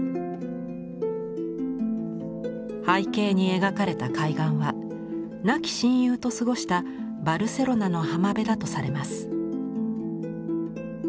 背景に描かれた海岸は亡き親友と過ごしたバルセロナの浜辺だとされます。